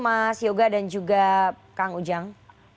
mas yoga dan juga kang ujang